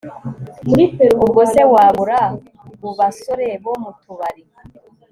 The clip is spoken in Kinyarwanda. ubwo se wabura ubasore bo mutubari